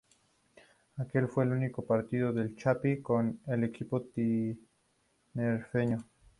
Aquel fue el último partido del "Chapi" con el equipo tinerfeño.